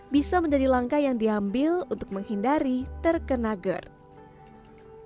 bisa menjadi langkah yang diambil untuk menghindari terkena gerd